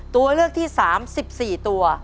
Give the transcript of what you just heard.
ตัวเลือกที่๓๑๔ตัว